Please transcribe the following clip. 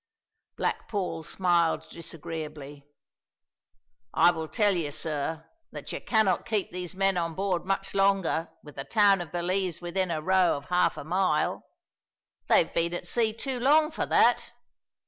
Black Paul smiled disagreeably. "I will tell you, sir, that you cannot keep these men on board much longer with the town of Belize within a row of half a mile. They've been at sea too long for that.